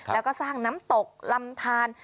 แล้วก็สร้างน้ำตกลำทาน